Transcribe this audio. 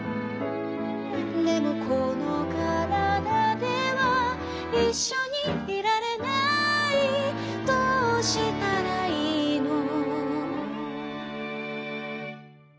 「でもこのからだではいっしょにいられない」「どうしたらいいの」